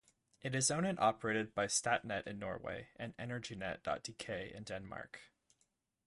It is owned and operated by Statnett in Norway, and Energinet.dk in Denmark.